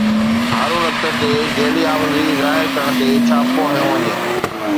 هارون اختر تي جعلي آمدني ظاهر ڪرڻ تي ڇاپو هنيو وڃي